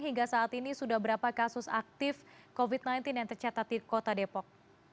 hingga saat ini sudah berapa kasus aktif covid sembilan belas yang tercatat di kota depok